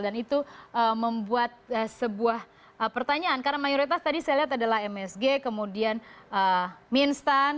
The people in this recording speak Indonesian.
dan itu membuat sebuah pertanyaan karena mayoritas tadi saya lihat adalah msg kemudian minstan